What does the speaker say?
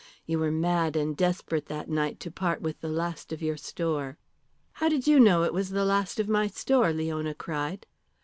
You were mad and desperate that night to part with the last of your store." "How did you know it was the last of my store?" Leona cried.